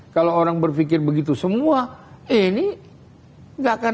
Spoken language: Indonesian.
kalau orang berpikir begitu semua ini gak akan ada pertanyaan